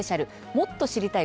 もっと知りたい！